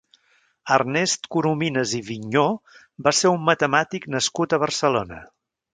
Ernest Corominas i Vigneaux va ser un matemàtic nascut a Barcelona.